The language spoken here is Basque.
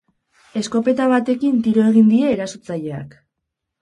Eskopeta batekin tiro egin die erasotzaileak.